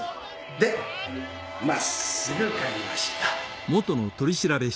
でまっすぐ帰りました。